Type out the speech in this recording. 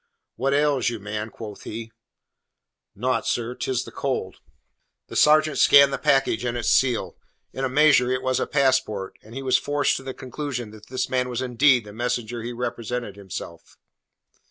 "What ails you, man?" quoth he. "Naught, sir 'tis the cold." The sergeant scanned the package and its seal. In a measure it was a passport, and he was forced to the conclusion that this man was indeed the messenger he represented himself.